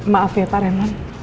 maaf ya pak remon